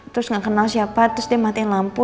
terus gak kenal siapa terus dia matiin lampu